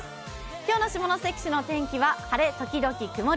今日の下関市の天気は晴れ時々曇り。